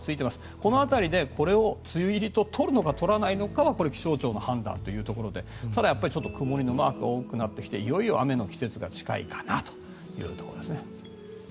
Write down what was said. この辺りでこれを梅雨入りと取るのか取らないのかは気象庁の判断というところでただ、曇りのマークが多くなってきていよいよ雨の季節が近いかなというところですね。